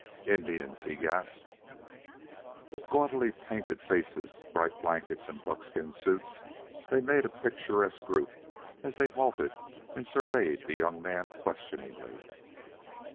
"Indians!" he gasped. With gaudily painted faces, bright blankets and buckskin suits, they made a picturesque group as they halted and surveyed the young man questioningly.